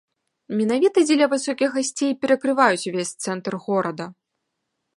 Менавіта дзеля высокіх гасцей і перакрываюць увесь цэнтр горада.